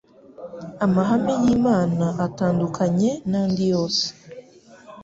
Amahame y'Imana atandukanye n'andi yose,